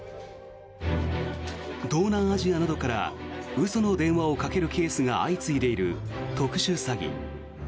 東南アジアなどから嘘の電話をかけるケースが相次いでいる特殊詐欺。